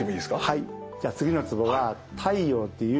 はい。